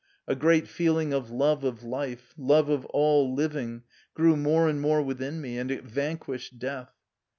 A great feeling of love of life, love of all living, grew more and more within me, and it vanquished death.